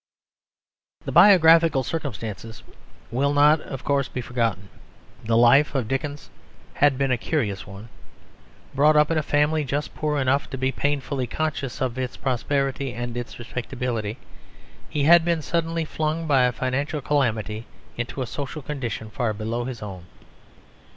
The biographical circumstances will not, of course, be forgotten. The life of Dickens had been a curious one. Brought up in a family just poor enough to be painfully conscious of its prosperity and its respectability, he had been suddenly flung by a financial calamity into a social condition far below his own.